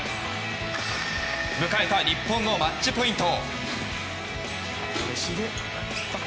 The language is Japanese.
迎えた日本のマッチポイント。